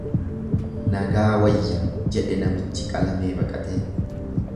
Nagaa wayya jedhe namichi qalamee baqatee.